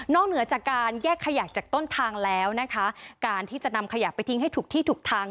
เหนือจากการแยกขยะจากต้นทางแล้วนะคะการที่จะนำขยะไปทิ้งให้ถูกที่ถูกทาง